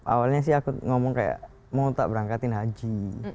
awalnya sih aku ngomong mau tak berangkat haji